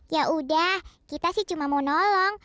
ya udah kita sih cuma mau nolong